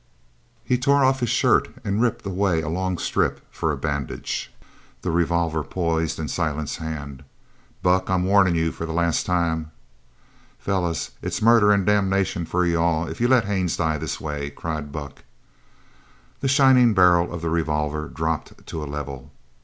_" He tore off his shirt and ripped away a long strip for a bandage. The revolver poised in Silent's hand. "Buck, I'm warnin' you for the last time!" "Fellers, it's murder an' damnation for all if you let Haines die this way!" cried Buck. The shining barrel of the revolver dropped to a level.